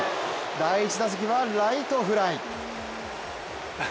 第１打席はライトフライ。